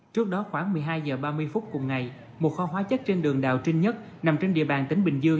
trước đó khoảng một mươi hai h ba mươi phút cùng ngày một kho hóa chất trên đường đào trinh nhất nằm trên địa bàn tỉnh bình dương